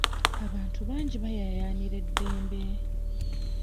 Abantu bangi bayayaanira eddembe.